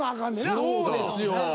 そうですよ！